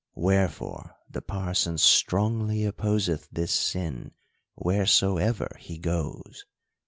Where fore the parson strongly opposeth this sin, wheresoever he goes.